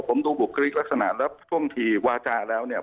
ผมดูบุคลิกลักษณะแล้วท่วงทีวาจาแล้วเนี่ย